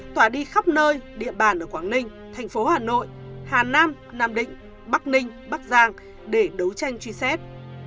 tỏa đi khắp nơi địa bàn ở quảng ninh thành phố hà nội hà nam nam định bắc ninh bắc giang để đấu tranh truy xét